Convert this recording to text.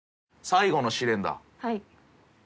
最後の試練だ。